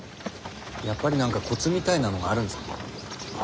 やっぱり何かコツみたいなのがあるんですか？